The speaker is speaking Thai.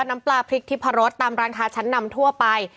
น้ำปลาพริกทิพรสตามร้านค้าชั้นนำทั่วไป